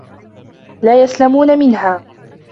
لَا يَسْلَمُونَ مِنْهَا